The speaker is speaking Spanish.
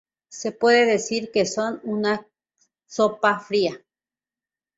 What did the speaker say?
Se puede decir que son una sopa fría.